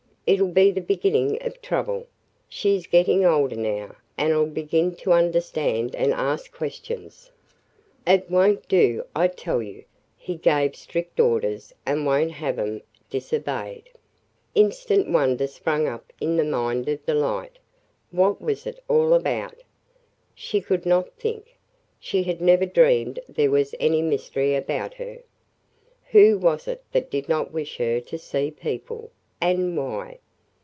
It 'll be the beginning of trouble. She 's getting older now and 'll begin to understand and ask questions. It won't do, I tell you! He gave strict orders and I won't have 'em disobeyed!" Instant wonder sprang up in the mind of Delight. What was it all about? She could not think. She had never dreamed there was any mystery about her. Who was it that did not wish her to see people? And why?